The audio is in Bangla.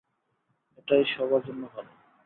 এটাই সবার জন্য ভালো।